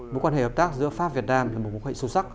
bộ quan hệ hợp tác giữa pháp việt nam là một mối quan hệ sâu sắc